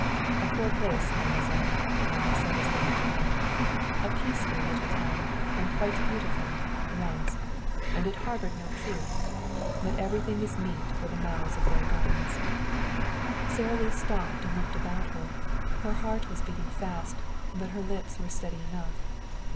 "A poor place, mademoiselle," Henri said as they went along. "A peaceful little town, and quite beautiful, once. And it harbored no troops. But everything is meat for the mouths of their guns." Sara Lee stopped and looked about her. Her heart was beating fast, but her lips were steady enough.